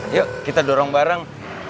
yuk kita dorong bareng